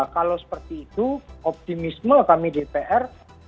kalau seperti itu optimisme kami dpr